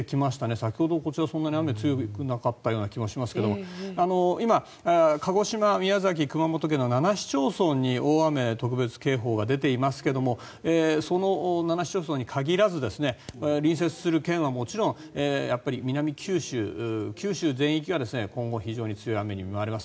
先ほどこちらはそんなに雨が強くなかったような気がしますが今、鹿児島、宮崎県、熊本県の７市町村に大雨特別警報が出ていますがその７市町村に限らず隣接する県はもちろんやっぱり南九州、九州全域が今後非常に強い雨に見舞われます。